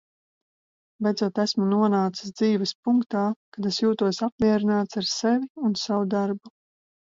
Beidzot esmu nonācis dzīves punktā, kad es jūtos apmierināts ar sevi un savu darbu.